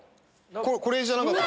これじゃなかった？